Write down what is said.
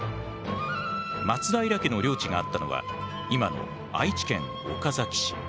松平家の領地があったのは今の愛知県岡崎市。